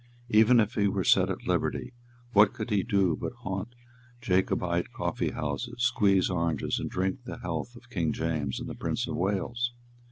Even if he were set at liberty, what could he do but haunt Jacobite coffeehouses, squeeze oranges, and drink the health of King James and the Prince of Wales?